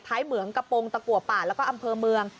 เหมืองกระโปรงตะกัวป่าแล้วก็อำเภอเมือง